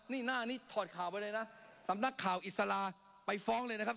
นี่หน้านี้ถอดข่าวไปเลยนะสำนักข่าวอิสลาไปฟ้องเลยนะครับ